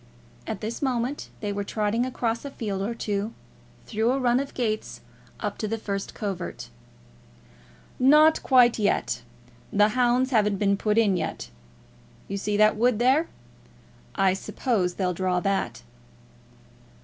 At this moment they were trotting across a field or two, through a run of gates up to the first covert. "Not quite yet. The hounds haven't been put in yet. You see that wood there? I suppose they'll draw that."